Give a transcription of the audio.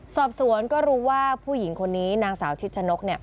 สอบสวนก็รู้ว่าผู้หญิงคนนี้นางสาวชิดชะนก